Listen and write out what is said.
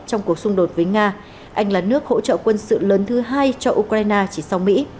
trong cuộc xung đột với nga anh là nước hỗ trợ quân sự lớn thứ hai cho ukraine chỉ sau mỹ